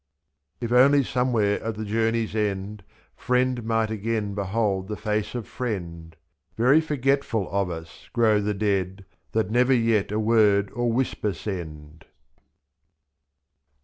I 95 If only somewhere at the journey*s end Friend might again behold the face of friend ! Zfi'Very forgetful of us grow the dead. That never yet a word or whisper send.